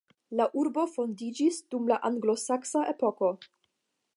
La urbo fondiĝis dum la anglosaksa epoko.